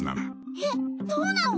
えっそうなの？